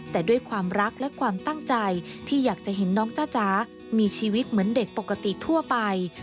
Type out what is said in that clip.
แต่ด้วยความรักและความตั้งใจที่อยากจะเห็นน้องจ้าจ๋ามีชีวิตเหมือนเด็กปกติทั่วไป